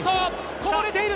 こぼれている。